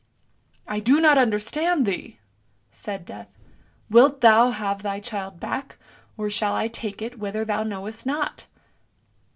"" I do not understand thee! " said Death; " wilt thou have thy child back, or shall I take it whither thou knowest not!